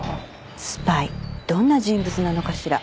スパイどんな人物なのかしら？